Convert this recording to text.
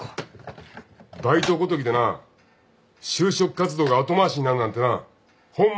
バイトごときでな就職活動が後回しになるなんてな本末転倒だよ。